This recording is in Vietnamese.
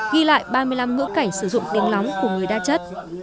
ghi lại ba mươi năm ngữ cảnh sử dụng tiếng lóng của người đa chất